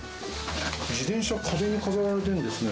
自転車、壁に飾られてるんですね。